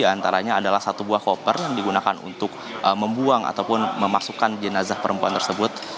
di antaranya adalah satu buah koper yang digunakan untuk membuang ataupun memasukkan jenazah perempuan tersebut